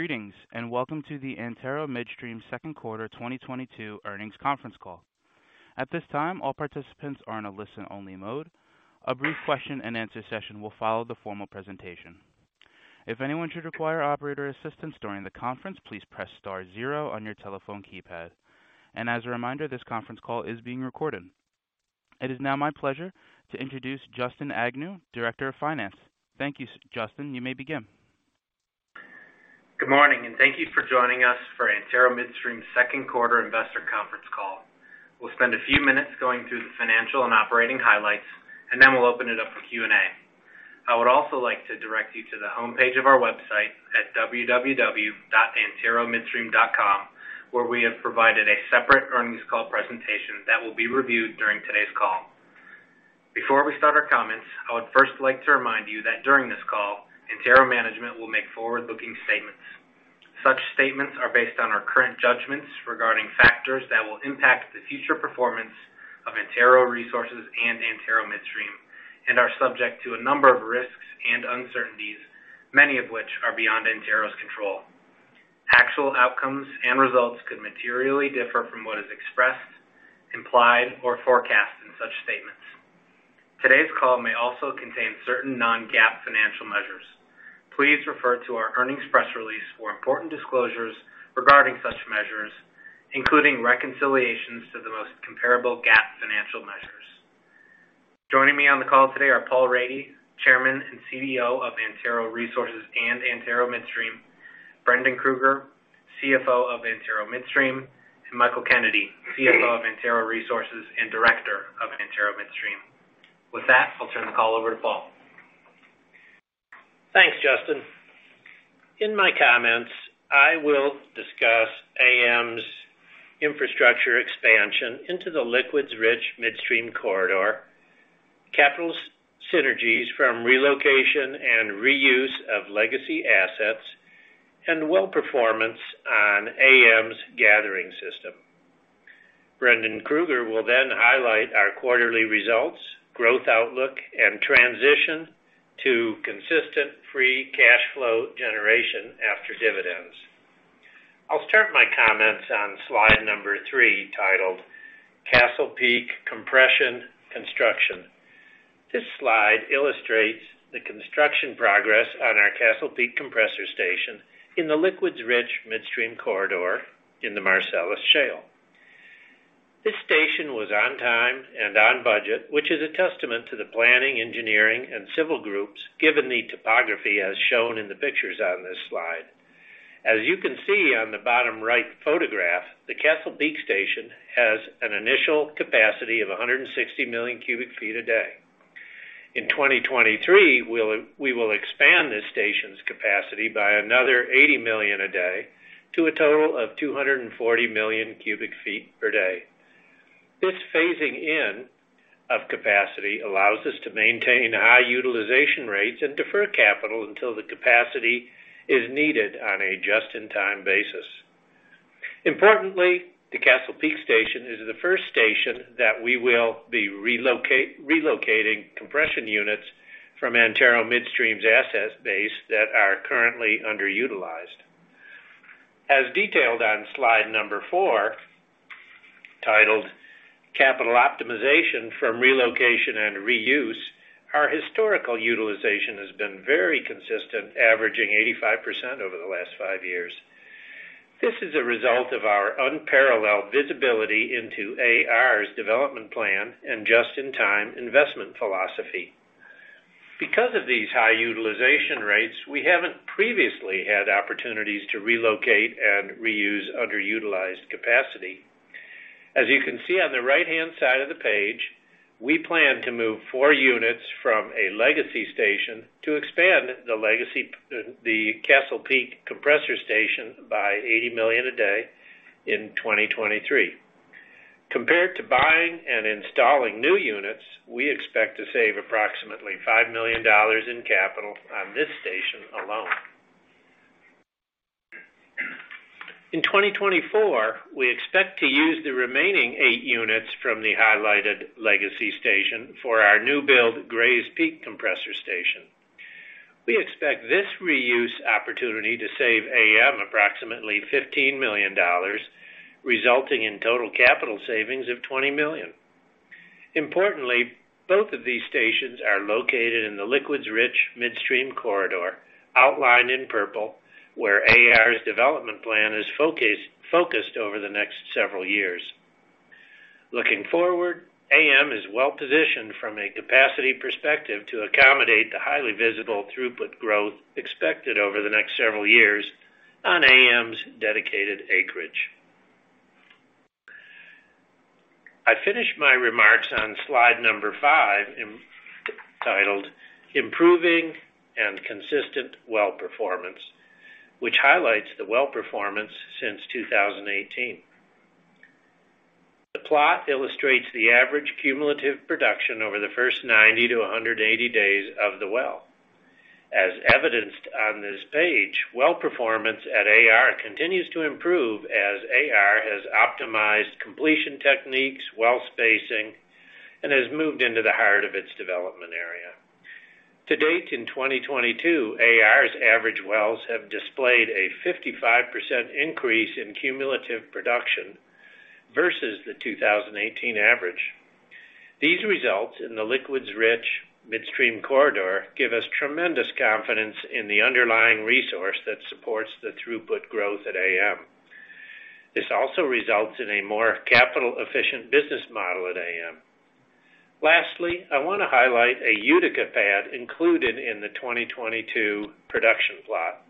Greetings, and welcome to the Antero Midstream second quarter 2022 earnings conference call. At this time, all participants are in a listen-only mode. A brief question-and-answer session will follow the formal presentation. If anyone should require operator assistance during the conference, please press star zero on your telephone keypad. As a reminder, this conference call is being recorded. It is now my pleasure to introduce Justin Agnew, Director of Finance. Thank you, Justin. You may begin. Good morning, and thank you for joining us for Antero Midstream second quarter investor conference call. We'll spend a few minutes going through the financial and operating highlights, and then we'll open it up for Q&A. I would also like to direct you to the homepage of our website at www.anteromidstream.com, where we have provided a separate earnings call presentation that will be reviewed during today's call. Before we start our comments, I would first like to remind you that during this call, Antero management will make forward-looking statements. Such statements are based on our current judgments regarding factors that will impact the future performance of Antero Resources and Antero Midstream and are subject to a number of risks and uncertainties, many of which are beyond Antero's control. Actual outcomes and results could materially differ from what is expressed, implied, or forecast in such statements. Today's call may also contain certain non-GAAP financial measures. Please refer to our earnings press release for important disclosures regarding such measures, including reconciliations to the most comparable GAAP financial measures. Joining me on the call today are Paul Rady, Chairman and CEO of Antero Resources and Antero Midstream, Brendan Krueger, CFO of Antero Midstream, and Michael Kennedy, CFO of Antero Resources and Director of Antero Midstream. With that, I'll turn the call over to Paul. Thanks, Justin. In my comments, I will discuss AM's infrastructure expansion into the liquids-rich midstream corridor, capital synergies from relocation and reuse of legacy assets, and well performance on AM's gathering system. Brendan Krueger will then highlight our quarterly results, growth outlook, and transition to consistent free cash flow generation after dividends. I'll start my comments on slide number 3 titled Castle Peak Compression Construction. This slide illustrates the construction progress on our Castle Peak Compressor Station in the liquids-rich midstream corridor in the Marcellus Shale. This station was on time and on budget, which is a testament to the planning, engineering, and civil groups, given the topography as shown in the pictures on this slide. As you can see on the bottom right photograph, the Castle Peak Station has an initial capacity of 160 million cubic feet a day. In 2023, we will expand this station's capacity by another 80 million a day to a total of 240 million cubic feet per day. This phasing in of capacity allows us to maintain high utilization rates and defer capital until the capacity is needed on a just-in-time basis. Importantly, the Castle Peak Station is the first station that we will be relocating compression units from Antero Midstream's asset base that are currently underutilized. As detailed on slide number 4, titled Capital Optimization from Relocation and Reuse, our historical utilization has been very consistent, averaging 85% over the last five years. This is a result of our unparalleled visibility into AR's development plan and just-in-time investment philosophy. Because of these high utilization rates, we haven't previously had opportunities to relocate and reuse underutilized capacity. As you can see on the right-hand side of the page, we plan to move 4 units from a legacy station to expand the legacy the Castle Peak Compressor Station by 80 million a day in 2023. Compared to buying and installing new units, we expect to save approximately $5 million in capital on this station alone. In 2024, we expect to use the remaining 8 units from the highlighted legacy station for our new build Grays Peak Compressor Station. We expect this reuse opportunity to save AM approximately $15 million, resulting in total capital savings of $20 million. Importantly, both of these stations are located in the liquids rich midstream corridor outlined in purple, where AR's development plan is focused over the next several years. Looking forward, AM is well positioned from a capacity perspective to accommodate the highly visible throughput growth expected over the next several years on AM's dedicated acreage. I finish my remarks on slide number 5, titled Improving and Consistent Well Performance, which highlights the well performance since 2018. The plot illustrates the average cumulative production over the first 90-180 days of the well. As evidenced on this page, well performance at AR continues to improve as AR has optimized completion techniques, well spacing, and has moved into the heart of its development area. To date, in 2022, AR's average wells have displayed a 55% increase in cumulative production versus the 2018 average. These results in the liquids-rich midstream corridor give us tremendous confidence in the underlying resource that supports the throughput growth at AM. This also results in a more capital-efficient business model at AM. Lastly, I wanna highlight a Utica pad included in the 2022 production plot.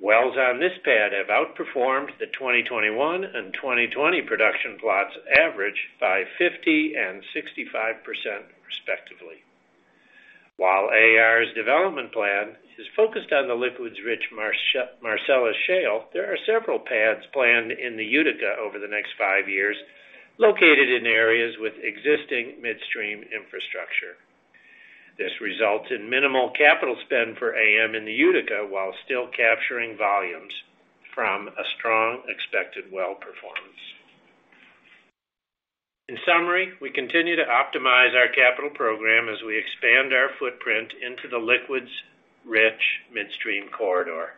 Wells on this pad have outperformed the 2021 and 2020 production plots averaged by 50% and 65% respectively. While AR's development plan is focused on the liquids-rich Marcellus Shale, there are several pads planned in the Utica over the next five years, located in areas with existing midstream infrastructure. This results in minimal capital spend for AM in the Utica while still capturing volumes from a strong expected well performance. In summary, we continue to optimize our capital program as we expand our footprint into the liquids-rich midstream corridor.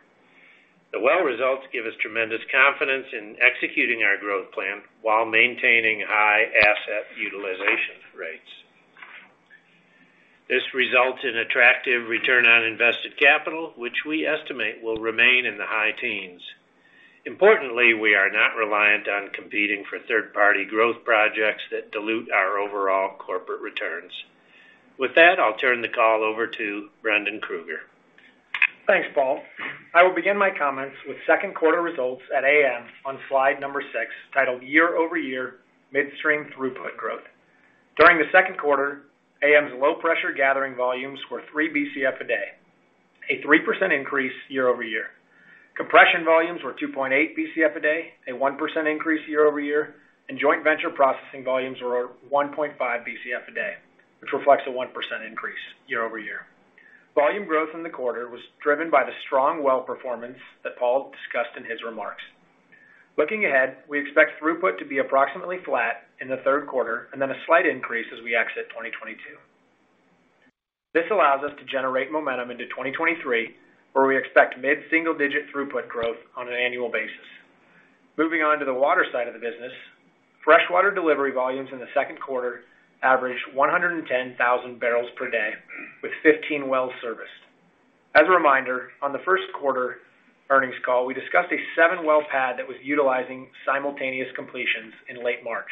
The well results give us tremendous confidence in executing our growth plan while maintaining high asset utilization rates. This results in attractive return on invested capital, which we estimate will remain in the high teens. Importantly, we are not reliant on competing for third-party growth projects that dilute our overall corporate returns. With that, I'll turn the call over to Brendan Krueger. Thanks, Paul. I will begin my comments with second quarter results at AM on slide number 6, titled Year-Over-Year Midstream Throughput Growth. During the second quarter, AM's low-pressure gathering volumes were 3 Bcf a day, a 3% increase year-over-year. Compression volumes were 2.8 Bcf a day, a 1% increase year-over-year. Joint venture processing volumes were 1.5 Bcf a day, which reflects a 1% increase year-over-year. Volume growth in the quarter was driven by the strong well performance that Paul discussed in his remarks. Looking ahead, we expect throughput to be approximately flat in the third quarter and then a slight increase as we exit 2022. This allows us to generate momentum into 2023, where we expect mid-single-digit throughput growth on an annual basis. Moving on to the water side of the business. Freshwater delivery volumes in the second quarter averaged 110,000 barrels per day with 15 wells serviced. As a reminder, on the first quarter earnings call, we discussed a seven-well pad that was utilizing simultaneous completions in late March.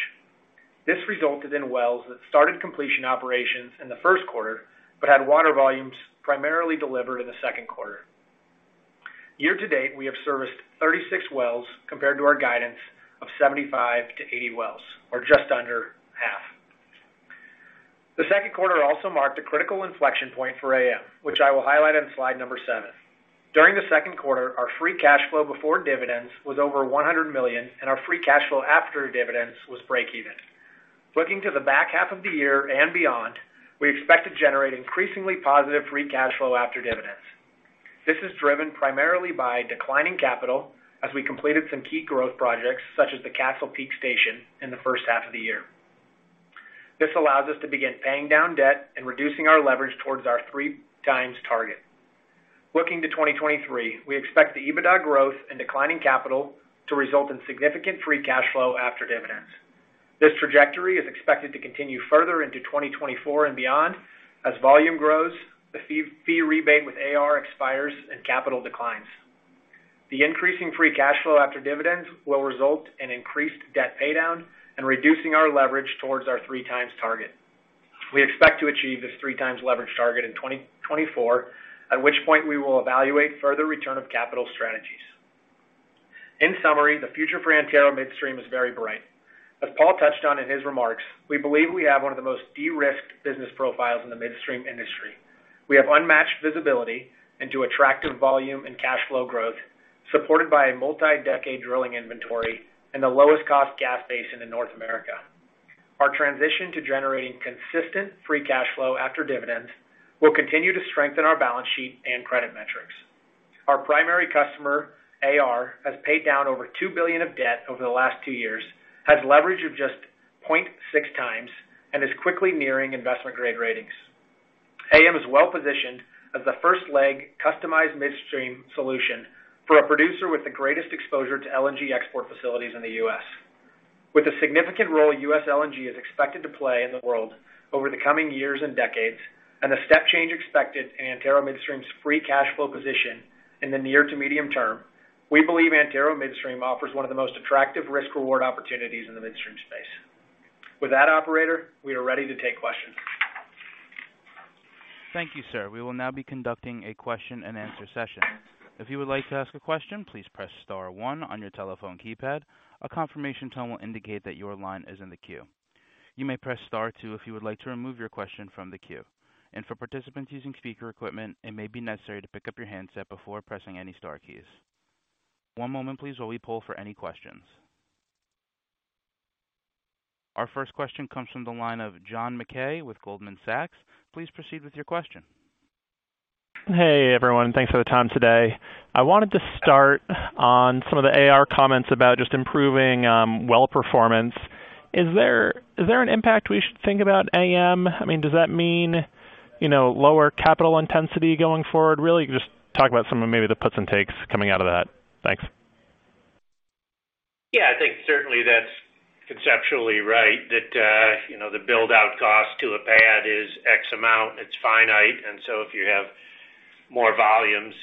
This resulted in wells that started completion operations in the first quarter but had water volumes primarily delivered in the second quarter. Year to date, we have serviced 36 wells compared to our guidance of 75-80 wells, or just under half. The second quarter also marked a critical inflection point for AM, which I will highlight on slide number 7. During the second quarter, our free cash flow before dividends was over $100 million, and our free cash flow after dividends was breakeven. Looking to the back half of the year and beyond, we expect to generate increasingly positive free cash flow after dividends. This is driven primarily by declining capital as we completed some key growth projects, such as the Castle Peak Station, in the first half of the year. This allows us to begin paying down debt and reducing our leverage towards our 3x target. Looking to 2023, we expect the EBITDA growth and declining capital to result in significant free cash flow after dividends. This trajectory is expected to continue further into 2024 and beyond. As volume grows, the fee-for-fee rebate with AR expires and capital declines. The increasing free cash flow after dividends will result in increased debt paydown and reducing our leverage towards our 3x target. We expect to achieve this 3x leverage target in 2024, at which point we will evaluate further return of capital strategies. In summary, the future for Antero Midstream is very bright. As Paul touched on in his remarks, we believe we have one of the most de-risked business profiles in the midstream industry. We have unmatched visibility into attractive volume and cash flow growth, supported by a multi-decade drilling inventory and the lowest cost gas basin in North America. Our transition to generating consistent free cash flow after dividends will continue to strengthen our balance sheet and credit metrics. Our primary customer, AR, has paid down over $2 billion of debt over the last two years, has leverage of just 0.6x, and is quickly nearing investment-grade ratings. AM is well-positioned as the first leg customized midstream solution for a producer with the greatest exposure to LNG export facilities in the U.S. With the significant role U.S. LNG is expected to play in the world over the coming years and decades, and the step change expected in Antero Midstream's free cash flow position in the near to medium term, we believe Antero Midstream offers one of the most attractive risk-reward opportunities in the midstream space. With that, operator, we are ready to take questions. Thank you, sir. We will now be conducting a question-and-answer session. If you would like to ask a question, please press star one on your telephone keypad. A confirmation tone will indicate that your line is in the queue. You may press star two if you would like to remove your question from the queue. For participants using speaker equipment, it may be necessary to pick up your handset before pressing any star keys. One moment please while we poll for any questions. Our first question comes from the line of John Mackay with Goldman Sachs. Please proceed with your question. Hey, everyone. Thanks for the time today. I wanted to start on some of the AR comments about just improving well performance. Is there an impact we should think about AM? I mean, does that mean, you know, lower capital intensity going forward, really? Just talk about some of maybe the puts and takes coming out of that. Thanks. Yeah, I think certainly that's conceptually right, that you know the build-out cost to a pad is X amount, it's finite. If you have more volumes,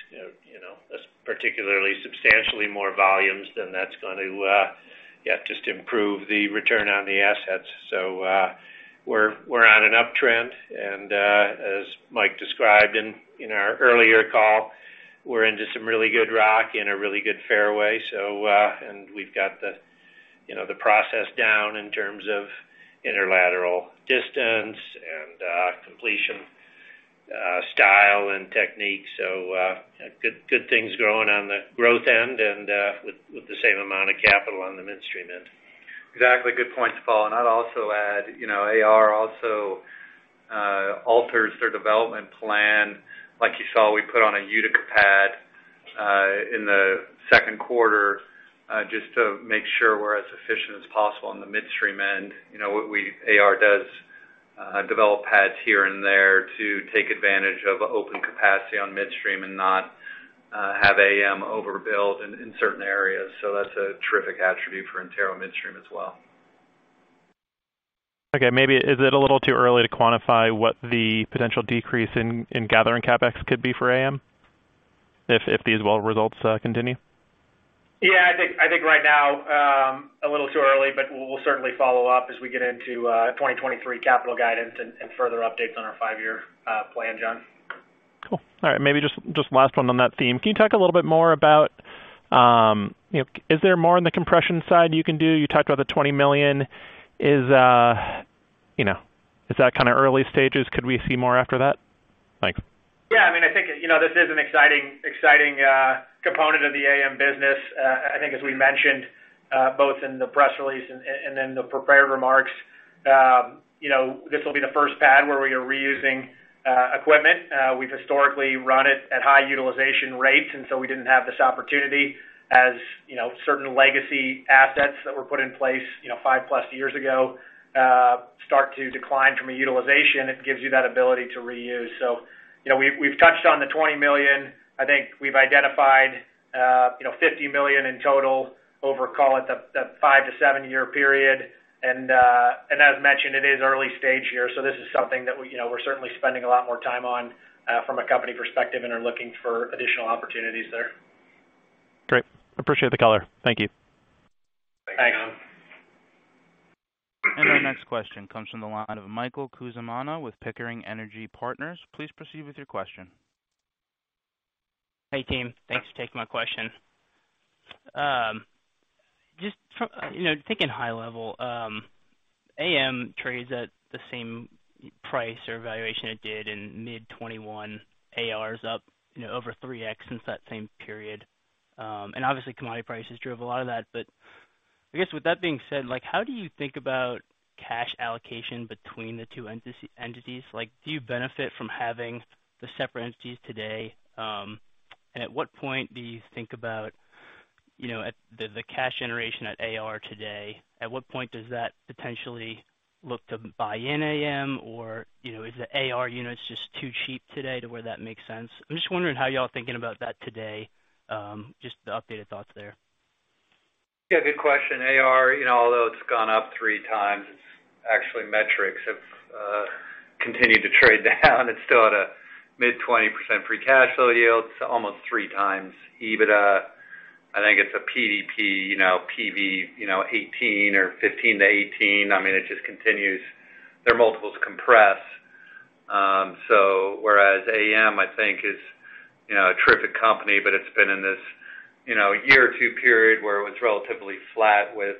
you know that's particularly substantially more volumes, then that's going to yeah just improve the return on the assets. We're on an uptrend. As Mike described in our earlier call, we're into some really good rock in a really good fairway. We've got you know the process down in terms of inner lateral distance and completion style and technique. Good things growing on the growth end and with the same amount of capital on the midstream end. Exactly. Good point, Paul. I'd also add, you know, AR also alters their development plan. Like you saw, we put on a Utica pad in the second quarter just to make sure we're as efficient as possible on the midstream end. You know, AR does develop pads here and there to take advantage of open capacity on midstream and not have AM overbuild in certain areas. That's a terrific attribute for Antero Midstream as well. Okay. Maybe is it a little too early to quantify what the potential decrease in gathering CapEx could be for AM if these well results continue? Yeah, I think right now a little too early, but we'll certainly follow up as we get into 2023 capital guidance and further updates on our five-year plan, John. Cool. All right. Maybe just last one on that theme. Can you talk a little bit more about, you know, is there more on the compression side you can do? You talked about the $20 million. You know, is that kinda early stages? Could we see more after that? Thanks. Yeah, I mean, I think, you know, this is an exciting component of the AM business. I think as we mentioned, both in the press release and then the prepared remarks, you know, this will be the first pad where we are reusing equipment. We've historically run it at high utilization rates, and so we didn't have this opportunity as, you know, certain legacy assets that were put in place, you know, five plus years ago start to decline from a utilization. It gives you that ability to reuse. You know, we've touched on the $20 million. I think we've identified, you know, $50 million in total over call it the five to seven year period. And as mentioned, it is early stage here. This is something that we, you know, we're certainly spending a lot more time on, from a company perspective and are looking for additional opportunities there. Great. Appreciate the color. Thank you. Thanks. Thanks. Our next question comes from the line of Michael Cusimano with Pickering Energy Partners. Please proceed with your question. Hey, team. Thanks for taking my question. Just from, you know, thinking high level, AM trades at the same price or valuation it did in mid-2021. AR is up, you know, over 3x since that same period. And obviously commodity prices drove a lot of that. But I guess with that being said, like, how do you think about cash allocation between the two entities? Like, do you benefit from having the separate entities today? And at what point do you think about, you know, at the cash generation at AR today, at what point does that potentially look to buy in AM or, you know, is the AR units just too cheap today to where that makes sense? I'm just wondering how y'all thinking about that today. Just the updated thoughts there. Yeah, good question. AR, you know, although it's gone up 3x, actually metrics have continued to trade down. It's still at a mid-20% free cash flow yield to almost 3x EBITDA. I think it's a PDP PV 15-18. I mean, it just continues their multiples compress. Whereas AM, I think is, you know, a terrific company, but it's been in this, you know, a year or two period where it was relatively flat with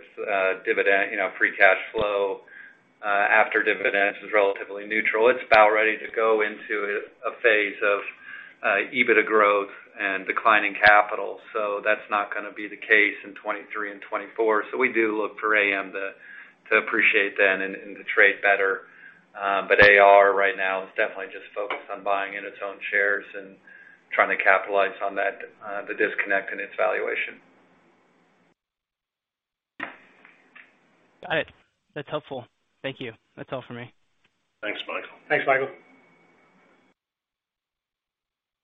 dividend, you know, free cash flow after dividends is relatively neutral. It's about ready to go into a phase of EBITDA growth and declining capital. That's not gonna be the case in 2023 and 2024. We do look for AM to appreciate then and to trade better. AR right now is definitely just focused on buying in its own shares and trying to capitalize on that, the disconnect in its valuation. Got it. That's helpful. Thank you. That's all for me. Thanks, Michael. Thanks, Michael.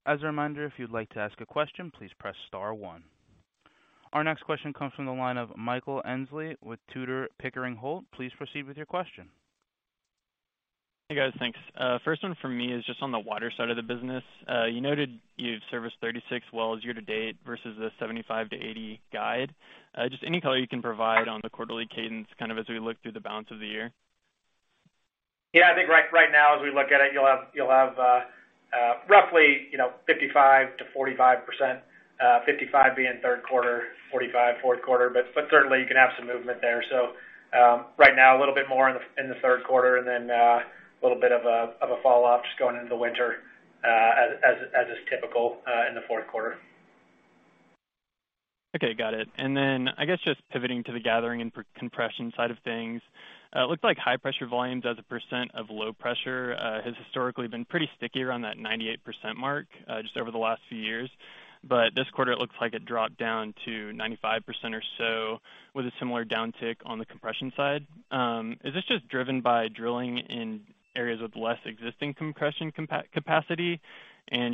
As a reminder, if you'd like to ask a question, please press star one. Our next question comes from the line of Michael Cusimano with Tudor, Pickering, Holt & Co. Please proceed with your question. Hey, guys. Thanks. First one for me is just on the water side of the business. You noted you've serviced 36 wells year to date versus the 75-80 guide. Just any color you can provide on the quarterly cadence, kind of as we look through the balance of the year? Yeah, I think right now as we look at it, you'll have roughly, you know, 55%-45%, 55% being third quarter, 45% fourth quarter. Certainly you can have some movement there. Right now a little bit more in the third quarter and then a little bit of a fall off just going into the winter, as is typical, in the fourth quarter. Okay, got it. I guess just pivoting to the gathering and compression side of things. It looked like high pressure volumes as a percent of low pressure has historically been pretty sticky around that 98% mark just over the last few years. This quarter it looks like it dropped down to 95% or so with a similar downtick on the compression side. Is this just driven by drilling in areas with less existing compression capacity?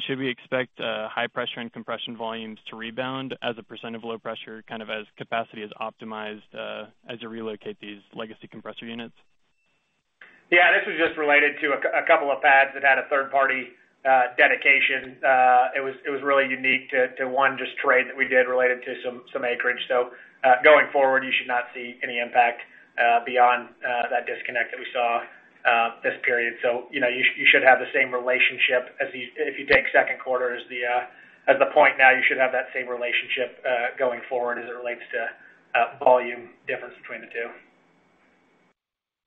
Should we expect high pressure and compression volumes to rebound as a percent of low pressure, kind of as capacity is optimized as you relocate these legacy compressor units? Yeah, this was just related to a couple of pads that had a third party dedication. It was really unique to one such trade that we did related to some acreage. Going forward, you should not see any impact beyond that disconnect that we saw this period. You know, you should have the same relationship if you take second quarter as the point now. You should have that same relationship going forward as it relates to volume difference between the two.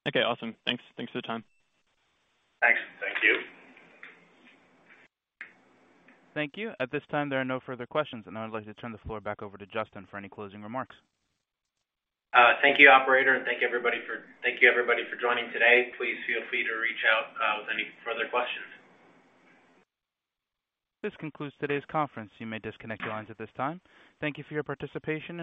Okay, awesome. Thanks. Thanks for the time. Thanks. Thank you. Thank you. At this time, there are no further questions, and I would like to turn the floor back over to Justin for any closing remarks. Thank you, operator, and thank you, everybody for joining today. Please feel free to reach out with any further questions. This concludes today's conference. You may disconnect your lines at this time. Thank you for your participation.